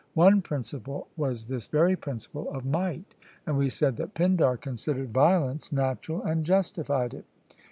One principle was this very principle of might, and we said that Pindar considered violence natural and justified it.